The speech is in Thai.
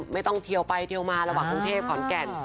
เทียวไปเทียวมาระหว่างกรุงเทพขอนแก่น